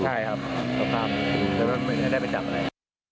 ใช่ครับครับครับครับครับไม่ได้ไปจับอะไร